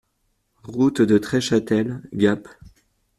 Route de Treschâtel, Gap